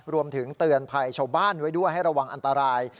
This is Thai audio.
รวมถึงเตือนภัยชาวบ้านไว้ด้วยให้ระวังอันตราย